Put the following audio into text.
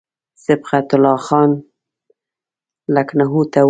صبغت الله خان لکنهو ته ورسېدی.